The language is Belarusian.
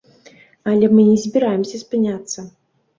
Але мы не збіраемся спыняцца.